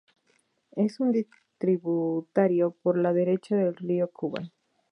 Es un distributario por la derecha del río Kubán.